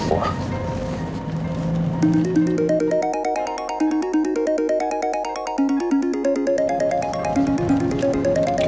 aku mau ke bengkel